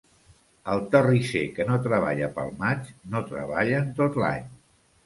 El terrisser que no treballa pel maig, no treballa en tot l'any.